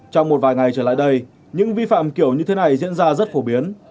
trong một vài ngày trở lại đây những vi phạm kiểu như thế này diễn ra rất phổ biến